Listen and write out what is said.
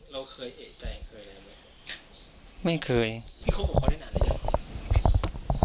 เราเคยเอกใจเคยอะไรไม่เคยไม่เคยไม่คุยกับเขาได้นานเลยหรอ